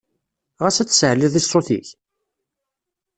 Ɣas ad tsaɛliḍ i ṣṣut-ik?